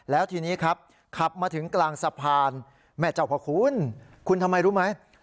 แล้วทีนี้ครับขับมาถึงกลางสะพานแม่เจ้าพ่อคุณคุณทำไมรู้ไหม